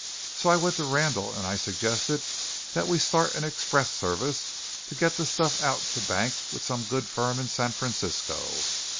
So I went to Randall and I suggested that we start an express service to get the stuff out to bank with some good firm in San Francisco.